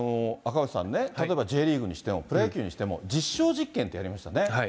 赤星さんね、例えばＪリーグにしても、プロ野球にしても、実証実験ってやりましたね。